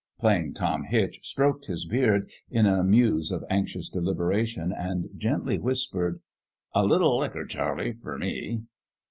Plain Tom Hitch stroked his beard, in a muse of anxious deliberation, and gently whispered :" A liT licker, Charlie fer me."